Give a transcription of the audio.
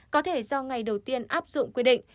có thể do ngày đầu tiên áp dụng quy định